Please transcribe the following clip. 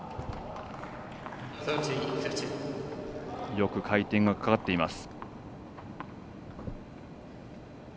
よく回転がかかっています。